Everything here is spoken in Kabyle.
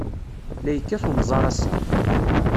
La yekkat unẓar ass-a.